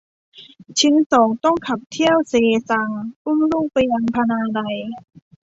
ชิ้นสองต้องขับเที่ยวเซซัง อุ้มลูกไปยังพนาไลย